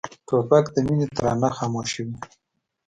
توپک د مینې ترانه خاموشوي.